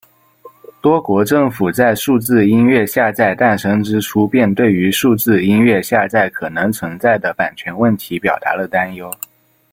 多国政府在数字音乐下载诞生之初便对于数字音乐下载可能存在的版权问题表达了担忧。